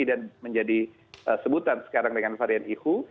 dan menjadi sebutan sekarang dengan varian ihu